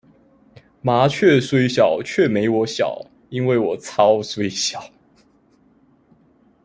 麻雀雖小卻沒我小，因為我超雖小